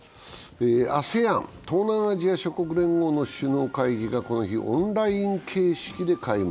ＡＳＥＡＮ＝東南アジア諸国連合の首脳会議がこの日、オンライン形式で開幕。